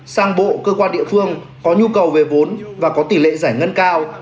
sang bộ cơ quan địa phương có nhu cầu về vốn và có tỷ lệ giải ngân cao